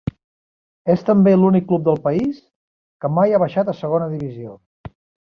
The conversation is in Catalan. És també l'únic club del país que mai ha baixat a segona divisió.